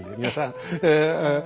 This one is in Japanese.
皆さんえ